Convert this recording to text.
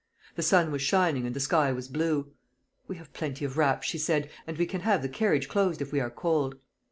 The sun was shining, and the sky was blue. "We have plenty of wraps," she said, "and we can have the carriage closed if we are cold."